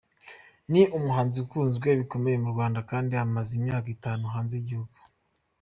Ni umuhanzi ukunzwe bikomeye mu Rwanda kandi amaze imyaka itanu hanze y’igihugu.